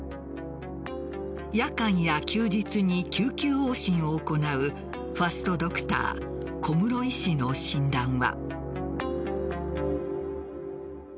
夜間や休日に救急往診を行うファストドクター小室医師の診断は。